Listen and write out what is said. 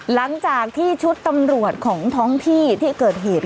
หลังจากที่ชุดตำรวจของท้องที่ที่เกิดเหตุ